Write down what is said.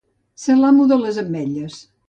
Ser l'amo de les ametlles.